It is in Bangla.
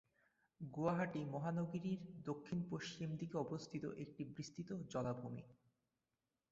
গুয়াহাটি মহানগরীর দক্ষিণ পশ্চিম দিকে অবস্থিত এক বিস্তৃত জলাভূমি।